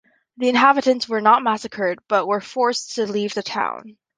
The inhabitants were not massacred but were forced to leave the town.